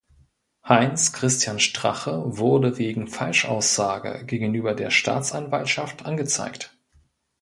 Heinz-Christian Strache wurde wegen Falschaussage gegenüber der Staatsanwaltschaft angezeigt.